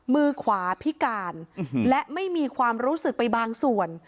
มือขวาพิการและไม่มีความรู้สึกไปบางส่วน